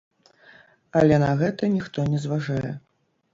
Але на гэта ніхто не зважае.